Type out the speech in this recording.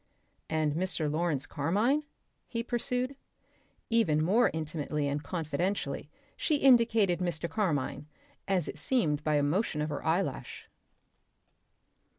"And Mr. Lawrence Carmine?" he pursued. Even more intimately and confidentially she indicated Mr. Carmine, as it seemed by a motion of her eyelash.